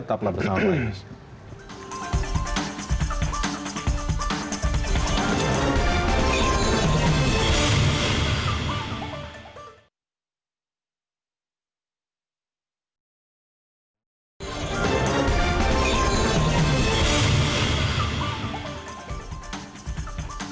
tetaplah bersama pak amin rais